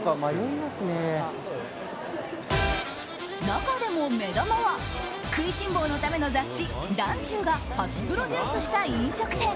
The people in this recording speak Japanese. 中でも、目玉は食いしん坊のための雑誌「ｄａｎｃｙｕ」が初プロデュースした飲食店。